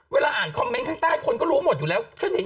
เวลาอ่านคอมเมนต์ข้างใต้คนก็รู้หมดอยู่แล้วฉันเห็น